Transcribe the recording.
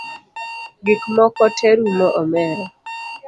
Gikmoko te rumo omera